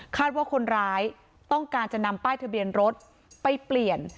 ว่าคนร้ายต้องการจะนำป้ายทะเบียนรถไปเปลี่ยน